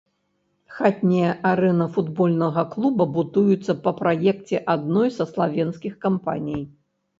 Хатняя арэна футбольнага клуба будуецца па праекце адной са славенскіх кампаній.